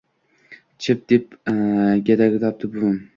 – Chip! – deb g‘adabladi buvim